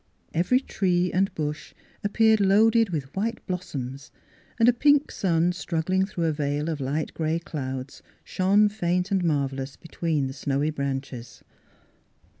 Every tree and bush appeared loaded with white blos soms and a pink sun struggling through a veil of light grey clouds shone faint and marvellous between the snowy branches.